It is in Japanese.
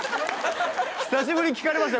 久しぶりに聞かれました